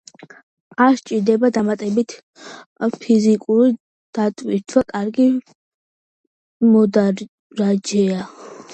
არ სჭირდება დამატებითი ფიზიკური დატვირთვა, კარგი მოდარაჯეა.